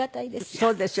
そうですよ。